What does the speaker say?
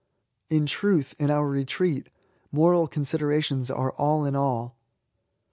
In truth, in our retreat, moral considerations are all in all.